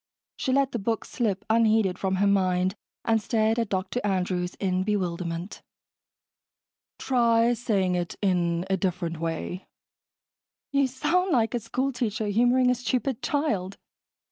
She let the book slip unheeded from her mind and stared at Dr. Andrews in bewilderment. "Try saying it in a different way." "You sound like a school teacher humoring a stupid child."